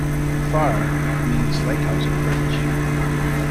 "Phare" means "lighthouse" in French.